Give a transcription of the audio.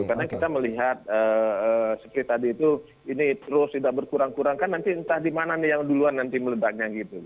karena kita melihat seperti tadi itu ini terus tidak berkurang kurangkan nanti entah dimana nih yang duluan nanti meledaknya gitu